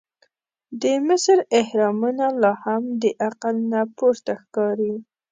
د مصر احرامونه لا هم د عقل نه پورته ښکاري.